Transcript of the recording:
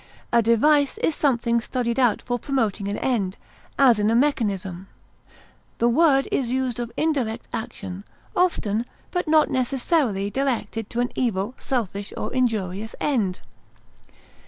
A device is something studied out for promoting an end, as in a mechanism; the word is used of indirect action, often, but not necessarily directed to an evil, selfish, or injurious end.